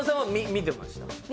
見てました